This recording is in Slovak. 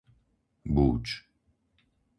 Búč